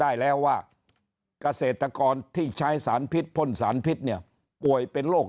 ได้แล้วว่าเกษตรกรที่ใช้สารพิษพ่นสารพิษเนี่ยป่วยเป็นโรค